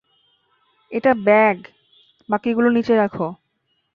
এটা ব্যাগ বাকিগুলোর নিচে রাখ।